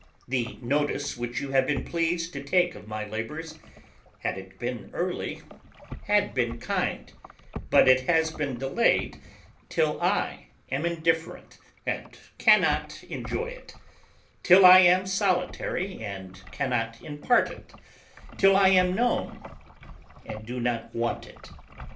The notice which you have been pleased to take of my labors, had it been early, had been kind; but it has been delayed till I am indifferent, and cannot enjoy it; till I am solitary, and cannot impart it; till I am known, and do not want it.